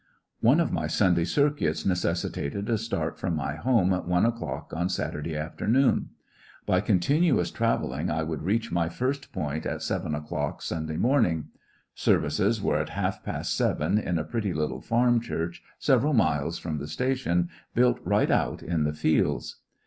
120 '^issionarY in tfie Greai West One of my Sunday circmb necessitated a start from my home at one o'clock on Satur day afternoon By continuous travelling I would reach my first point at seven o'clock Sunday morning. Services were at half past seven in a pretty little farm church several miles from the statiouj built right out in the fields.